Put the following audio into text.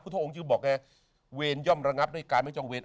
พระองค์ชื่อบอกไงเวรย่อมระงับด้วยการไม่จองเวร